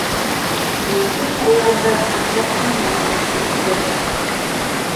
Машина уларҙы Атбатҡанға алып китте